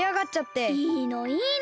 いいのいいの。